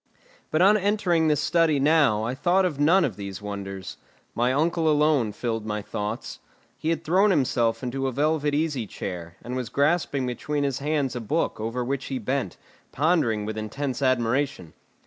But on entering this study now I thought of none of all these wonders; my uncle alone filled my thoughts. He had thrown himself into a velvet easy chair, and was grasping between his hands a book over which he bent, pondering with intense admiration.